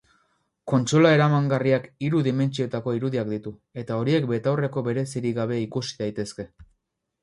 Kontsola eramangarriak hiru dimentsiotako irudiak ditu eta horiek betaurreko berezirik gabe ikusi daitezke.